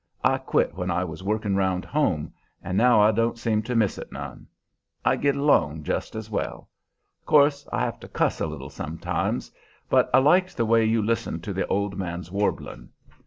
I quit when I was workin' round home, and now I don't seem to miss it none. I git along jest as well. Course I have to cuss a little sometimes. But I liked the way you listened to the old man's warblin'.